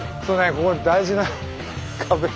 ここ大事な壁。